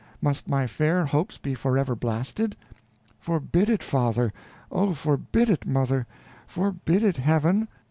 must my fair hopes be forever blasted? Forbid it, father; oh! forbid it, mother; forbid it, Heaven."